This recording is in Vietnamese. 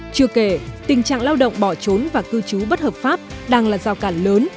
chưa kể tình trạng lao động bỏ trốn và cư trú bất hợp pháp đang là giao cản lớn